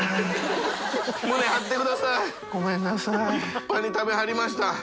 立派に食べはりました！